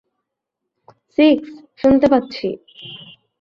Six, শুনতে পাচ্ছি।